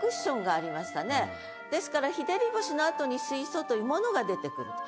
ですから「旱星」のあとに「水槽」という物が出てくると。